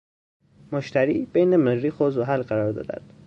مشتری، بین مریخ و زحل قرار دارد